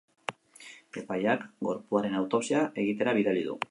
Epaileak gorpuaren autopsia egitera bidali du.